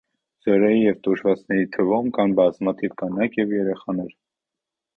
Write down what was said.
Զոհերի և տուժածների թվում կան բազմաթիվ կանայք և երեխաներ։